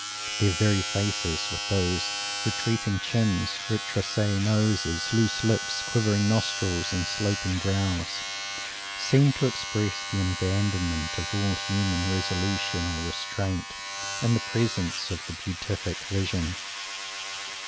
Their very faces with those retreating chins, retroussé noses, loose lips, quivering nostrils and sloping brows seem to express the abandonment of all human resolution or restraint, in the presence of the Beatific Vision.